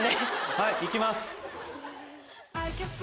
はい行きます。